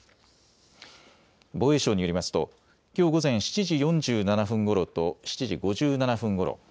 防衛省によりますときょう午前７時４７分ごろと７時５７分ごろ